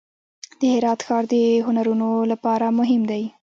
د هرات ښار د هنرونو لپاره مهم دی.